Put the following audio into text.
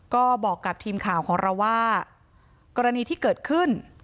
ก็บอกกับทีมข่าวของเราว่ากรณีที่เกิดขึ้น